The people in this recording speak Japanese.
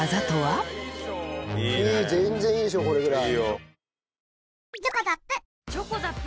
いい全然いいでしょこれぐらい。